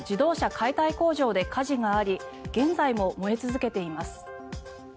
解体工場で火事があり現在も燃え続けています。